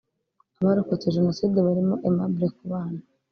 abarokotse Jenoside barimo Aimable Kubana